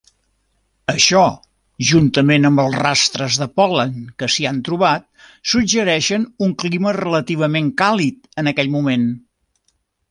Això, juntament amb els rastres de pol·len que s'hi han trobat, suggereixen un clima relativament càlid en aquell moment.